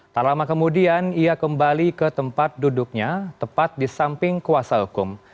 tak lama kemudian ia kembali ke tempat duduknya tepat di samping kuasa hukum